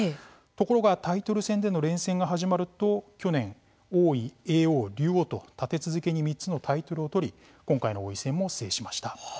ところが、タイトル戦での連戦が始まると去年王位、叡王、竜王と立て続けに３つのタイトルを取り今回の王位戦も制しました。